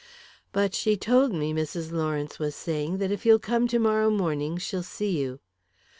"But she told me," Mrs. Lawrence was saying, "that if you'll come to morrow morning, she'll see you.